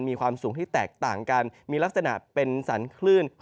มีความสูงที่แตกต่างกันมีลักษณะเป็นสรรคลื่น